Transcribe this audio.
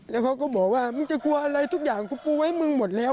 แล้วเขาก็บอกว่ามึงจะกลัวอะไรทุกอย่างกูไว้มึงหมดแล้ว